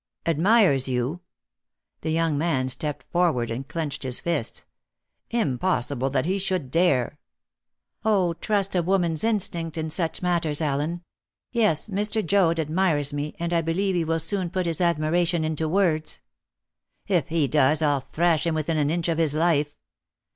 "Admires you?" The young man stepped forward and clenched his fists. "Impossible that he should dare!" "Oh, trust a woman's instinct in such matters, Allen! Yes, Mr. Joad admires me, and I believe he will soon put his admiration into words." "If he does, I'll thrash him within an inch of his life!"